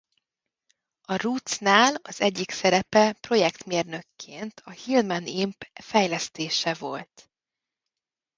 A Rootes-nál az egyik szerepe projekt mérnökként a Hillman Imp fejlesztése volt.